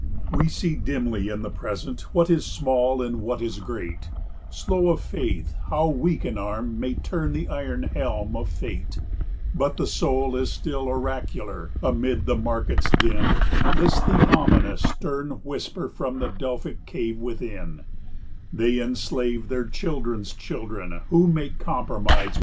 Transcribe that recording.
40 We see dimly in the Present what is small and what is great, Slow of faith how weak an arm may turn the iron helm of fate, But the soul is still oracular; amid the market's din, List the ominous stern whisper from the Delphic cave within, "They enslave their children's children who make compromise with sin."